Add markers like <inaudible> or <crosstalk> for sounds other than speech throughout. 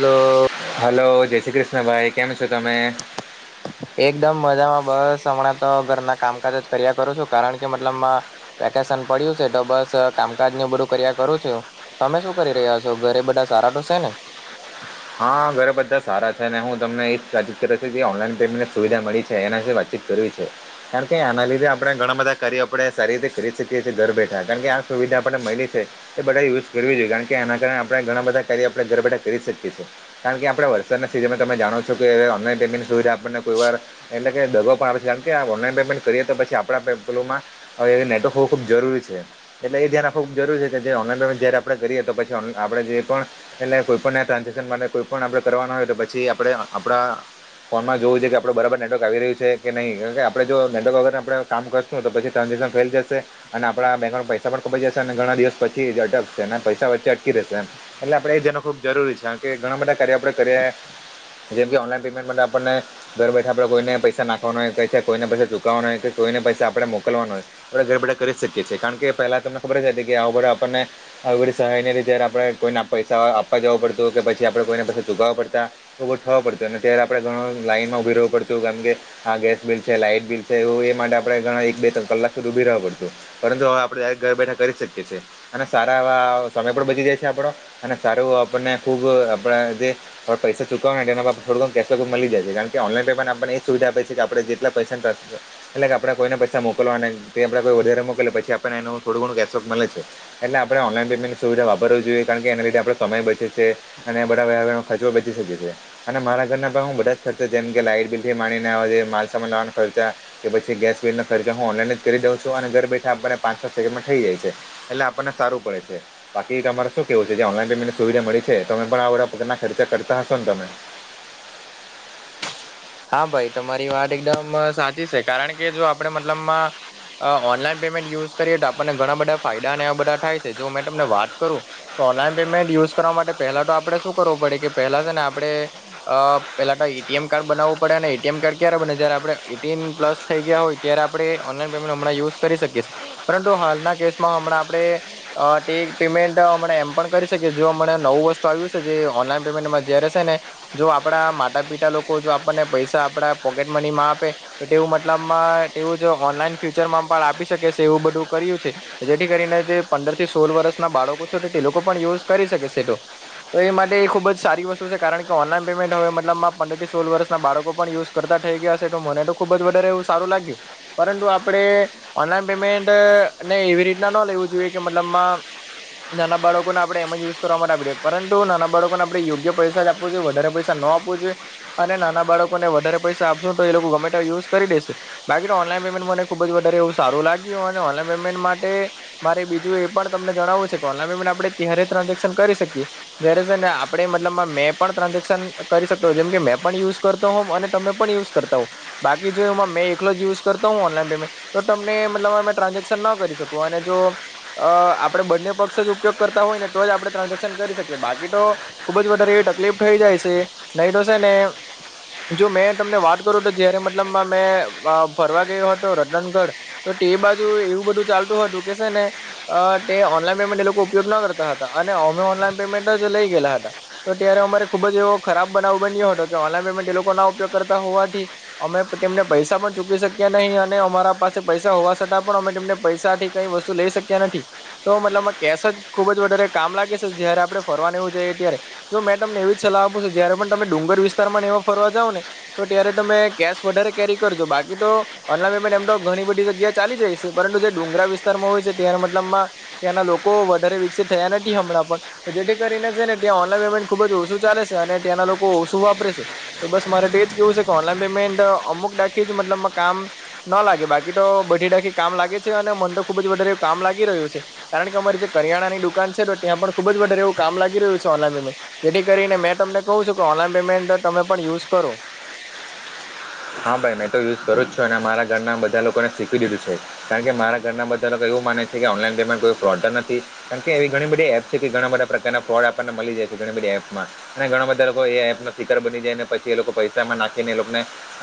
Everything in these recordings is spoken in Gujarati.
હાલો. હાલો જય શ્રી કૃષ્ણ ભાઈ કેમ છો તમે? એકદમ મજામાં બસ હમણાં તો ઘરના કામકાજ જ કર્યા કરું છું કારણ કે મતલબમાં. વેકેશન પડ્યું છે તો બસ કામકાજ ન બધું કર્યા કરું છું, તમે શું કરી રહ્યા છો ઘરે બધા. તારા ડઢોસે ને <inaudible> <unintelligible> હા ઘરે બધા સારા છે અને હું તમને એ જ વાચીત કર છે ઓનલાઈન પેમેન્ટને સુવિધા મળી છે, એના વાત. કારણ કે આના લીધે આપણે ઘણા બધા કાર્યો આપણે સારી રીતે કરી શકીએ છીએ ઘર બેઠા કારણ કે સુવિધા આપણે મળી છે એ બધાએ યુઝ કરવી જોઈએ કારણ કે એના કારણે આપણે ઘણાં બધા કાર્યો આપણે ઘર બેઠા કરી શકીએ છીએ‌. કારણ કે આપણે વરસાદના સિઝનમાં તમે જાણો છો કે ઓનલાઇન પેમેન્ટ સુવિધા આપણને કોઈ વાર એટલે કે દગો પણ કારણ કે ઓનલાન પેમેન્ટ કરીએ તો પછી આપણા પે્માં નેટવર્ક હોવું ખૂબ જરૂરી છે એટલે ધ્યાન રાખવું જરૂરી છે જે ઓનલાઈન પેમેન્ટ જ્યારે આપણે કરીએ તો પછી ઓ આપણે જે પણ એટલે કોઈ પણના ટ્રાન્ઝેક્શન માટે કોઈ પણ આપણે કરવાનું હોય તો પછી આપણે આપણા. ફોનમાં જોવું છે કે આપડો બરાબર નેટવર્ક આવી રહ્યું છે કે નહીં કારણ આપણે જો નેટવર્ક અગર આપણે કામ કરશું તો પછી ત. પૈસા ફેલ જશે અને આપણા બેંકમાંથી પૈસા પણ કપાઈ જશે અને ઘણા દિવસ પછી અટકશે અને પૈસા વચે અટકી રહેશે. છે. એટલે આપણે એ જાણવો ખુબ જરૂરી છે કારણકે ઘણા બધા કાર્યો આપણે કર્યા જેમ કે ઓનલાઈન પેમેન્ટ માટે આપણને ઘર બેઠા આપે કોઈને પૈસા નાખવા હોય કોઈને પૈસા ચુકવવાનો હોય તો કોઈને પૈસા આપણે મોકલવાના હોય આપણે ઘર બેઠા કરી શકીએ છીએ. કારણ કે પહેલાં તમને ખબર જ હતી કે આવું બધું આપણને આવી બધી સહાયને લીધે જયારે આપડે કોઈને પૈસા આપવા જવું પડતું હો કે પછી જે આપણે કોઈને પસી ચુકાવવા પડતાં તો બહુ થવું પડતું અને ત્યારે આપણે ઘણું લાઈનમાં ઉભી રહેવું પડતું કારણ કે ગેસ બિલ છે, લાઈટ બિલ છે એવુ એ માટે આપણે ઘણા એક બે ત્રણ કલાક સુધી ઉભી રહેવા પડતું પરંતુ હવે આપણે ડાયરેક્ટ ઘરે બેઠા કરી શકીએ છીએ અને સારા એવા સમય પણ બચી જાય છે આપણો અને સારું આપણને ખુબ આપણે જે પૈસા ચૂકવાના એ કેશ મળી જાય છે કારણ કે ઓનલાઈન પેમેન્ટ આપને સુવિધા છે કે આપડે જેટલા પૈસા એટલે આપણે કોઈને પૈસા મોકલવા તે અને આપણ ને કોઈ વધારે મોકે પછી આપડે એનુ થોડું ઘણું મલે છે એટલે આપણે ઓનલાઇન પેમેન્ટની સુવિધા વાપરવી જોઈએ, કારણ કે એના લીધે આપણે સમય બચે છે. અને એ બધા વ્યવહનો ખર્ચો બચી શકે છે અને મારા ઘરના પણ હું બધા જ ખર્ચો જેમ કે લાઈટ બિલથી માણીને આવા જે માલસામાન લેવાના ખર્ચા કે પછી ગેસ બિલ ના ખર્ચા હું ઓનલાઈન જ કરી દઉ છું અને ઘર બેઠા આપને પાચ છ સેકન્ડમાં થઈ જાય છે. એટલે આપણને સારું પડે છે. બાકી તમારે શું કેવું છે જે ઓનલાઈન પેમેન્ટની સુવિધા મળી છે તમે પણ આ બધા પોતાના ખર્ચા કરતા હશો ને તમે. હા ભાઈ તમારી વાત એકદમ સાચી છે કારણ કે જો આપણે મતલબમાં અ ઓનલાઈન પેમેન્ટ યુઝ કરીએ તો આપણને ઘણા બધા ફાયદા અને બધા થાય છે જો મેં તમને વાત કરું તો ઓનલાઈન પેમેન્ટ યુઝ કરવા માટે પહેલા તો આપણે શું કરવું પડે કે પહેલા છે ને આપણે અ પેલા તો ઈ એ ટી એમ કાર્ડ બનાવું. પડે અને એ ટી એમ કાર્ડ ક્યારે બને જય આપણે એટીન પલસ થઈ ગયા હોય ત્યારે આપણે ઓનલાઈન પેમેન્ટ હમણાં યુઝ કરી શકીએ. પરંતુ હાલના કેસમાં હમણાં આપણે અ ટે પેમેન્ટ હ એમ પણ કરી શકીએ જો પણ નવું વસ્તુ આવ્યું છે જે ઓનલાઇન પેમેન્ટમાં જ્યારે સે ને જો આપડા માતા પીતા લોકો જો આપ આપણને પૈસા આપણા પૈસા આપડા પોકેટ મનીમાં આપે તો તેવું મતલબમાં એવુ જો ઓનલાઈન ફ્યુચરમાં પણ આપ આપી શકે છે એવું બધું કર્યું છે જેથી કરીને જે પંદર થી સોળ વર્ષના બાળકો છે તે લોકો પણ યુઝ કરી કરી શકે તો તો એ માટે ખુબ જ સારી વસ્તુ છે કારણ કે ઓનલાઇન પેમેન્ટ હવે મતલબ પંદરથી સોલ વર્ષ બાળકો પણ યુસ કરતા થઈ ગયા મને તો ખૂબ જ વધારે એવું સારું લાગ્યું પરંતુ આપણે ઓન ઓનલાઇન પેમેન્ટ ને એવી રીતના ન લેવું જોઈએ કે મતલબમાં નાના બાળકોને આપણે એમ જ યુઝ કરવા માટે આપે પરંતુ નાના બાળકોને આપણે યોગ્ય પૈસા જ આપવું જોઈએ વધારે પૈસા નો આપવું જોઈએ અને નાના બાળકોને વધારે પૈસા આપશો તો એ લોકો ગમે તેમ યુઝ કરી દેશે બાકી તો ઓનલાઇન પેમેન્ટ મને ખુબ જ વધારે એવું સારું લ બાકી ઓન ઓનલાઇન પેમેન્ટ માટે મારે બીજું એ પણ તમને જણાવું છે કે ઓનલાઇન પેમેન્ટ આપણે ત્યારે ટ્રાન્ઝેક્શન કરી શકીએ જ્યારે જેને આપણે મતલબ મેં પણ ટ્રાન્ઝેક્શન કરી શકતો, જેમ કે મે પણ યુઝ કરતો હોવને તમે પણ યુઝ કરતા હો બાકી જો મે એકલોજ યુઝ કરતાો હોવ ઓનલાઇન પેમેન્ટ તો તમને કે મતલબ ટ્રાન્ઝેક્શન ન કરી શકું અને જો અ આપણે બંને પક્ષ જ ઉપયોગ કરતા હોય ને તો જ આપ આપણે ટ્રાન્ઝેક્શન કરી શકીએ બાકી તો ખૂબ જ વધારે એવી તકલીફ થઈ જાય છે. નહીં તો છે ને <inaudible> જો મેં તમને વાત કરું તો જયારે મતલબ મેં ફરવા ગયો હતો રતનગઢ તો ટીમ એ બાજુ એવું બધું ચાલતું હતું કે સે ને અ તે ઓનલાઈન પેમેન્ટ એ લોકો ઉપયોગ ના કરતા હતા અને ઓન ઓનલાઇન પેમેન્ટ જ લઈ ગએલા હતા. તો ત્યારે અમારે ખુબ જ એવો ખરાબ બનાવ બન્યો હતો. તો ઓનલાઇન પેમેન્ટ તે લોકો ન ઉપયોગ કરતા હોવાથી અમે તેમને પૈસા પણ ચૂકીવી શક્યા નહીં અને અમારા પાસે પૈસા હોવા છતાં પણ અમે તેમને પૈસાથી કઈ વસ્તુ લઈ શક્યા નથી તો મતલબમાં કેસ જ ખુબ જ ત્યારે કામ લાગે છે. જયારે આપણે ફરવાને એવું જોઈએ ત્યારે જો મેં તમને એવી જ સલાહ આપું જયારે પણ તમે ડુંગર વિ વિસ્તારમાં ને એવામાં ફરવા જાવ ને તો ત્યારે તમે કેશ વધારે કેરી કરજો બાકી તો ઓનલાન પેમેન્ટ એ તો ઘણી ઘણી બધી જગ્યા ચાલી જાય છે પરંતુ જે ડુંગરા વિસ્તારમાં હોય છે ત્યાં મતલબમાં ત્યાંના લોકો વધારે વિકસિત થયેલ થયા નથી હમણાં પણ જેથી કરીને છે ને ત્યાં ઓનલાઈન પેમેન્ટ ખુબ જ ઓછું ચાલે છે અને ત્યાંના લોકો ઓછું વાપરે છે. છે તો બસ મારે કેવું છે કે ઓનલાન પેમેન્ટ અમુક દાખી જ મતલબ કામ ન લાગે બાકી તો બઢી ડાખી કામ લાગે છે અને મને તો ખુબ જ વધારે કામ લાગી રહ્યું છે કારણ કે અમારી જે કરિયાણાની દુકાન છે. ત્યાં પણ ખુબ જ વધારે એવું કામ લાગી રહ્યું છે ઓનલાન પેમેન્ટ. જેથી કરીને મેં તમને કહું છું કે ઓનલાન પેમેન્ટ તમે પણ યુઝ કરો. હા ભાઈ મેં તો યુઝ કરું જ છું અને મારા ઘરના બધા લોકો લોકોને શીખવી દીધું છે કારણ કે મારા ઘરના બધા લોકો એવું માને છે કે ઓનલાઈન પેમેન્ટ કોઈ ફ્રોડ જ નથી કારણ કે એવી ઘણી બધી એપ છે કે ઘણા બધા પ્રકારના ફ્રોડ આપણને મળી જાય છે ઘણી બધી એપમાં અને ઘણા બધા લોકો એપો ફર બ જાયને પછી એ લોકો પૈસા માં નાખીને એ લોકો ને ઉ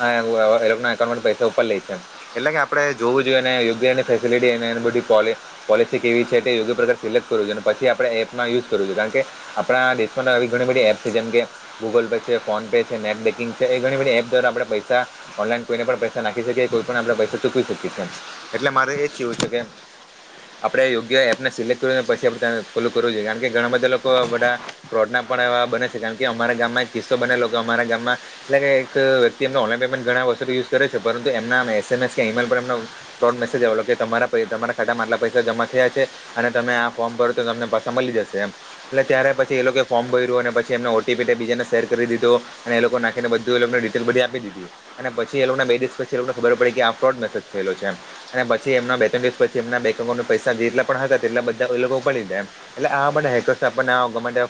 પૈસા ઉપર લે છે એટલે કે આપડે જોવું જોઈએને યોગ્ય ફેસટી કેવી છે પોલી સિ કેવી‌છે તે ચેક કરવા અને પછી આપણે એપમાં યુઝ કરુંએ કારણ કે આપણા દેશ આવી ઘણી બધી એપ છે જેમ કે ગૂગલ પે છે ફોન પે છે નેટ બેન્કિંગ છે એ ઘણી બધી એપ દ્વારા આપણે પૈસા પૈસા ઓનલાઈન કોઈને પણ પૈસા નાખી શકે કોઈ પણ આપણા પૈસા ચૂકવી શકીએ છી એટલે મારે એ જ કેહેવું છે કે આપડે યોગ્ય એપને સિલેક્ટ કર પછી ખોલું કરવું જોઈએ કારણ કે ઘણા બધા લોકો ફોડ પણ એવા બને છે કારણ કે અમારા ગામમાં એક કિસ્સો બનેલો અમારા ગામમાં એટલે કે એક વ્યક્તિ એમ પેમેન્ટ ઘણા વર્ષો થી યુઝ કરે છે પરંતુ‌‌ એમને એસએમએસ કે ઈમેઇલ પર એમનો ફ્રોડ મેસેજ આવેલો કે તમારા તમારા ટલા પૈસા જમા થયા છે અને તમે આ ફોર્મ ભર તો તમને પૈસા મળી જશે એમ એટલે ત્યારે પછી એ લોકો ફોર્મ ભર્યું અને પછી એને ઓટીપી બીજાને શેર કરી દીધો અને એ લોકો નાખીનેધ એ લોકોને ડિટેલધી આપી દીધી અને પછી એ લોકોને બે દિવસ પછી એ લોકોને ખબર પડે કે આ ફ્રોડ મેસેજ થયેલો છે, અને પછી એમના બે તણ દિવસ પછી એમ બેઉ પૈસા જેટલા પણ હતા તેટલા બધા લોકો ઉપાડી દે એટલે આ બ હેકર્સમે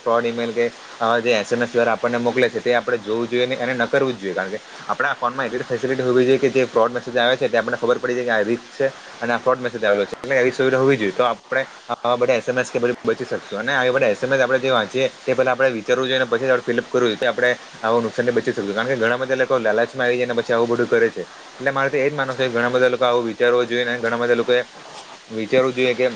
ફો <inaudible> જે એસે ને પિયોર આપણને મોકલે છે તે આપણે જોવું જોઈએ ને એ ન કરવું જ જોઈએ કારણ કે આપડા ફોનમાં એટલી જ ફેસિટી હોવી જોઈએ કે જે ફ્રોડ મેસેજ આવે છે તે આપને ખબર પડી જાય કે આ રીચ છે અને આ ફ્રોડ મેસેજ આવિયો છે. એટલે એવી સુવિધા હોવી જોઈએ તો આપણે બધા એસ એમ એસ કે બચી શકશું અને બધા એસ એમ એસ આપડે જે વાંચીએ તે પેલા આપડે વિચારવું જોઈએ પછી આપ ફિલઅપ કરું જોઈએ આપ આવા નુકસાનને બચી શું કારણ ઘણા બધા લોકો લલાચ મા આઈ ગયા અને પછી આવું બધું કરે છે એટલે મારે તો એજ માનો છે કે ઘણા બધા લોકો આવું વિચારવો જોઈ ને ઘણા બધા લોકો એ વિચારવું જોઈએ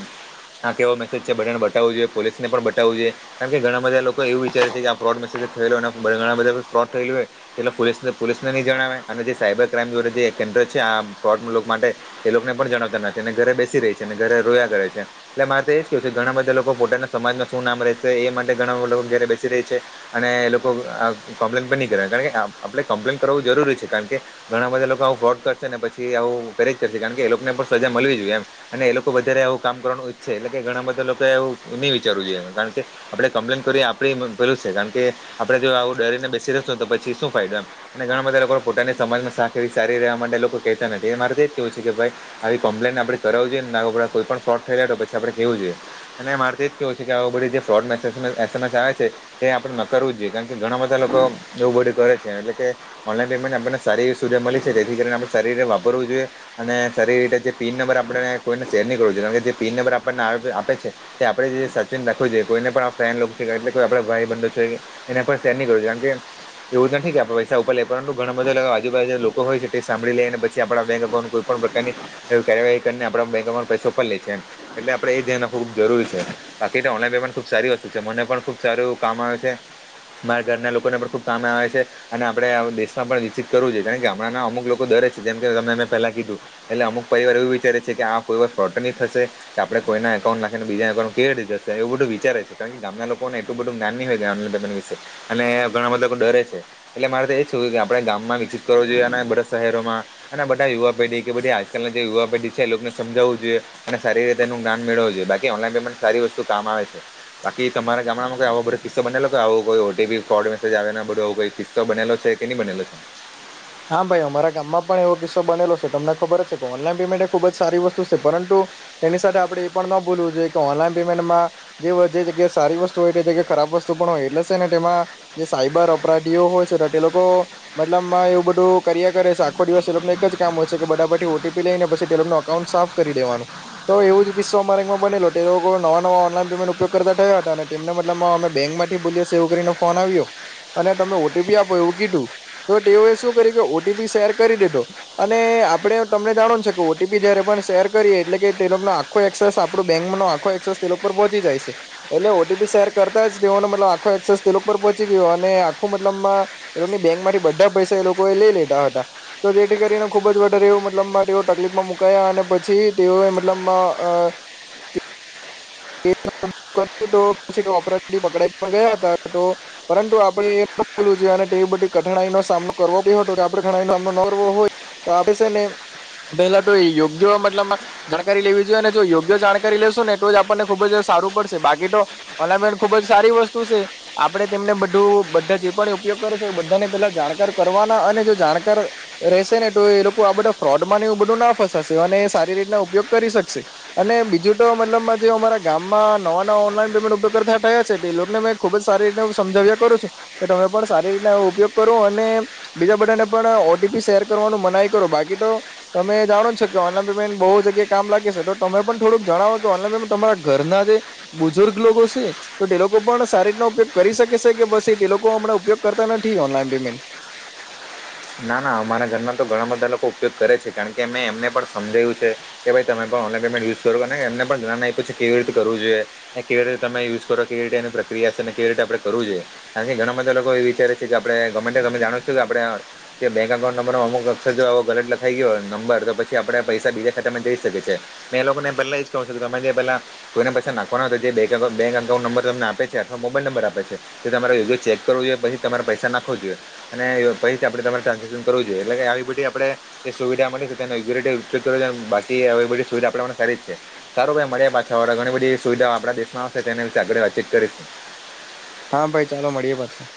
આ કેવો મેસેજ છે બાને બતાવું જોઈએ પોલીસને પણ બતાવ જોઈએ કારણ કે ઘણા બધા લોકો એવું વિચારે છે કે આ ફ્રોડ મેસેજ જે થયેલો ના બધા બધા ફ્રોડ થયે હોય એટલા પોલીસ પોલીસ ન જણાવે અને જે સાયબર ક્રાઈમડ છે આ ફ્રોડ માટે એ લોકોને પણ જણાવતા નથી ઘરે બેસી રહી છે અને ઘરે રોયા કરે છે એટલે મારે તો એજ કેવું છે ઘણા બધા લોકો પોતાના સમાજમાં શું નામ રહે છે એ ઘ બેસી ર છે અને એ લોકોમ્પ્લેન નહી કર કાર આપ્પ્ કરવું જરૂરી છે કારણ કે ઘણા બધા લોકો આવું ફ્રોડ કરશે ને પછી આવું પેજ કરશે કારણ કે એ લોકોને પણ સજા મળવી જોઈએ અને એ લોકો વધારે એું કામ કરવાનું ઈચ્છે એટલે કે ઘણા બધા લોકો એ નહી વિચારવું જોઈએ એ કારણ કે આપણે કમ્પ્લેન કરીએ આપણે પેલું છે કારણ કે આપડે જો આવું ડરીને બેસી રશું ને તો પછી શું ફાયદો અને ઘણા બધા લોકો પોતાની સમાજમાં સા એવી સારી રહેવા માટે લોકો કહેતા નથી મારે તે જ કેવું છે કે ભાઈ આવી કોમ્પલે આપણે કરાવું જોઈએ કોઈ પણ ફ્રોડ થઈ પછી આપડે કેવું જોઈએ અને મારે એ જ કેવું છે કે આ ફોડ સમસ આવે છે એ આપડે ન કરવું જ જોઈએ કારણ કે ઘણા બધા લોકો એવું બોડી કરે છે એટલે કે ઓનલાઈન પેમેન્ટ આપણને સારી સુધા મળી છે જેથી કરીને આપણે શરીર વાપરવું જોઈએ અને શરીર રીતે જે પીન નં આપે જો કાર જે પીન નંર આપ આપ છે આપણે સચન રાખુંઈ કોઈ એ આપ ભાઈ બંધો છે એને સેર ન કર કારણ કે એવું નથી. ઉપર લે પરંતુ ઘણા બધા લવા આજુબાજુ લોકો હોય છે, તે સાંભળી લેને પછી આપણા બેક અકાઉન્ટ કોઈ પણ પ્રકારની કાર્યવાહી કરીને આપણા બેંકમાં પૈસો ઉપાડ લે છે. એટલે આપણે એ ધ્યાન રાખવું ખૂબ જરૂરી છે. બાકી તો ઓનલાઈન પેમેન્ટ ખૂબ સારી વસ્તુ છે મને પણ ખુબ સારું કામ આવે છે. મારા ઘરના લોકોને પણ ખુબ કામ આવે છે અને આપણે દેશમાં પણ વિકસિત કરવું જોઈએ કારણ કે હમણાં અમુક લોકો ડરે છે જેમ કે તમે મે પહેલાં કીધું એટલે અમુક પરિવાર એવું વિચારે છે કે આ કોઈ ફ્રાઉડ તો નહી થશે કે આપણે કોઈના એકઉન્ટ નાખીને બીજ એકકાઉન્ટ નાખી ને કેવી રી જશે એવું બધું વિચારે છે કારણ કે ગામના લોકો ને એટલું બધું જ્ઞાનની હોય ગામધ બધા વિશે અને ઘણા બધા લોકો ડરે છે. એટલે મારે તો એ થુંયું કે આપડે ગામમાં વિકસિત કરવો જોઈએ અને બધા શહેરોમાં અને બધા યુવા પેઢી કે બધી આજ આજકાલ જે યુવા પેઢ છે એ લોકોને સમજાવવું જોઈએ અને સારી રીતે એનું જ્ઞાન મેળવ જોઈએ બાકી ઓનલ પેમેન્ટ સારી વસ્તુ કામ આવે છે. બાકી તમારા ગામડામાં આવો બધો કિસ્સ બનેલો આવું કોઈ ઓ ટી પી ફોડ મેસેજ આવે ને બધું કિસ્સો બનેલો છે કે નહીં બનેલો છે? હા, ભાઈ અમારા ગામમાં પણ એવો કિસ્સો બનેલો છે તમને ખબર જ છે કે ઓનલાઈન પેમેન્ટ એ ખુબ જ સારી વસ્તુ છે પરંતુ તેની સાથે આપણે એ પણ ન બોલવું જોઈએ કે ઓનલાન પેમેન્ટમાં જે જગ્યા સારી વસ્તુ હોય જગબ ખરાબ રાબ વસ્તુ પણ હોય એટલે સે ને તેમાં જે સાયબર અપરાધીઓ હોય છે ટે લોકો મતલબમાં એવું બ કર્યા કરે છે આખો દિવસ એ લોકોનું એક જ કામ હોય છે કે બધા પાટી ઓ ટી પી લઈને પછી એ લોકોનું અકાઉન્ટ સાફ કરી દેવાનું. તો એવું જ કિસ્સો અમારે બનેલો ટે લોકો નવા નવા ઓનલાઈન પેમેન્ટ ઉપયોગ કરતા થયા હતા અને તેમને મતલબમાં બેંકમાંથી બોલ્યો સ એવું કરીને ફોન આવ્યો અને ત ટમે ઓટીપી આપો એવું કીધું ટો ટેઓએ શું તે લિયો ઓ ટી પી શેર કરી દીધો અને આપણે તમને જાણો છે કે ઓ ટી પી જયારે પણ શેર કરીએ એટલે એ ટેલોકને આખો એક્સેસ આપડી બેંકોનો આખો એસેસ પેલો પર પહોચી જાય છે એટલે ઓ ટી પી શેર કરતા જ <inaudible> મતલબ આખો એક્સેસ તે લોકો પર પહોંચી ગયો અને આખું મતલબમાં એ લોકોની બેંક માંથી બધા પૈસા એ લોક કો લઈ લેતા હતા તો જેથી કરીને ખુબ જ વધારે એવ મતલબમાંઓ તકલીફમાં મુકાયા અને પછી તેઓ તો મતલબ માં અહ હ <unintelligible> એ <inaudible> <unintelligible> તો પછી ઓપરેટ પકડાઈ પણ ગયા હતા તો પરંતુ આપડે એ પણ બોલવું જો અને એ બધી કઠિનાઈ એનો સામનો કરવો પડ હતો આપડે ઘણા ઘ નો સામનો ન કરવો હોય તો આપડે સે ને પેલા તો યોગ્ય મતલબમાં જાણકારી લેવી જોઈએ ને જો યોગ્ય જાણકારી લેેશું ને એ તોજ આપ તને ખુબ જ સારું પડશે બાકી તો અલાલમેન્ટ ખુબ જ સારી વસ્તુ છે આપે તેમને બધું તે જે પણ ઉપયોગ કરે છે ને એ બધાને પેલા જાણકાર કરવાના અને જો જાણકાર રહેશે ને તો એ લોકો આપડે અહ ફ્રોડ માંને એવું બધું ના ફસાશે અને એ સારી રીતના ઉપયોગ કરી શકશે અને બીજું તો મતલબ માં જે અમારા ગામમાં નવા નવા ઓનલાઈન પેમેન્ટ ઉપયોગ કરતાયા <unintelligible> છે એ લોકોને મેં ખુબ જ સારી રીતે હું સમજાવ્યા કરું છું, તો તમે પણ સારી રીતેના ઉપયોગ કરો અને બીજા બધાનને પણ ઓટીપી શેર કરવાનું મનાઈ કરો બાકી બાકી તો તમે જાણો છો કે ઓનલાઈન પેમેન્ટ બહુ જગ્યા કામ લાગે છે, તો તમે પણ થોડુંક જણાવો કે ઓનલાન પે તમારા ઘરના જે બુજુર્ગ લોકો છે, તો તે લોકો પણ સારી રીતના ઉપયોગ કરી શકે છે કે બસ એ લોકો હમણાં ઉપયોગ કરતા નથી, ઓનલાઈન પેમેન્ટ <unintelligible> ના ના અમારા ઘરના તો ઘણા બધા લોકો ઉપયોગ કરે છે, કારણ કે મેં એમને પણ સમજાય્યું છે કે ભાઈ તમે પણ ઓનલાઇન પેમેન્ટ યુઝ કરો અને એમને પણ જ્ઞાન આપ્યું છે, કેવી રીતે કરવુ જોએ ને કેવી રીતે તમે યુઝ કરો કેવી રીતે ઓનું પ્રક્ર ક્રિયા છે, અને કેવી રીતે આપણે કરવું જોઈએ કારણ કે ઘણા બધા લોકો એ વિચારે છે, કે આપણે ગમે ગમે જાણ છું કે આપણે કે બેંક એકાઉન્ટ નંબર અમુક અક્ષર જો આવો ગલત લખાઈ ગયો હોય નંબર તો પછી આપડા પૈસા બીજા ખાતામાં જઈ શકે છે. મે એ લોકો ને પેલા એજ કો છો કે તમે જે પેલા કોઈના પૈસા નાખવાના જે બેક એકાઉ બેંક અકાઉન્ટ નંબર તમને આપે છે કે અથવા મોબાઈલ નંબર આપે છે. તે તમારે યોગ્ય ચેક કરવો જોઈએ પછી તમારે પૈસા નાખવો જોઈએ અને પહી આપણે તમારે ટ્રાન્ઝક્શન કરવુ જોઇયે એટલે કે તે આપડે તમારે ટ્રાન્જેક્શન કરવું જોઈએ. એટલે કે આવી બધી આપણે જે સુવિધા મળી છે <unintelligible> બાકી અહ બધી સુવિધા આપને સારી જ છે સારું ભાઈ મળ્યા પાછાળ ઘણી બધી સુવિધાઓ આપણા દેશમાં આવશે તેના વિશે આગળ વાતચીત કરીશું. હ <unintelligible> હા ભાઈ ચાલો મળીએ પાછા.